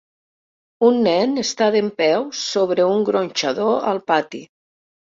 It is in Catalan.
Un nen està dempeus sobre un gronxador al pati.